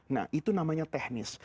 nah itu namanya teknis